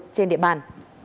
trên địa bàn